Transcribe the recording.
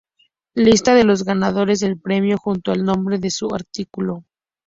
Lista de los ganadores del premio, junto al nombre de su artículo.